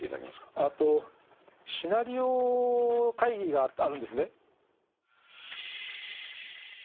えっとシナリオ会議があるんですね。